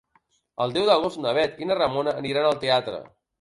El deu d'agost na Bet i na Ramona aniran al teatre.